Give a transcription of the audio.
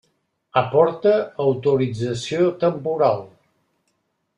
Aporta autorització temporal.